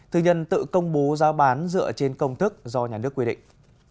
thư nhân tự công bố giá bán dựa trên công thức do nhà nước quyết định